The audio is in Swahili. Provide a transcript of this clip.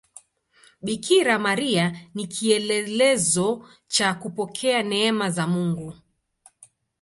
Bikira Maria ni kielelezo cha kupokea neema za Mungu.